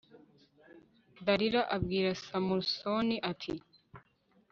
dalila abwira samusoni, ati